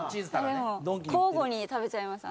交互に食べちゃいます。